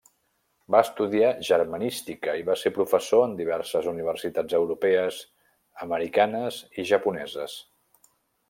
Va estudiar germanística i va ser professor en diverses universitats europees, americanes i japoneses.